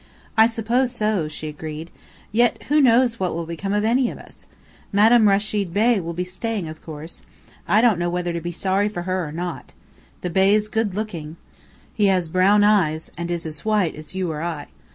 "I suppose so," she agreed. "Yet who knows what will become of any of us? Madame Rechid Bey will be staying, of course. I don't know whether to be sorry for her or not. The Bey's good looking. He has brown eyes, and is as white as you or I.